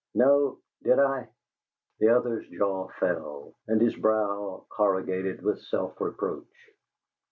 "No. Did I?" The other's jaw fell and his brow corrugated with self reproach.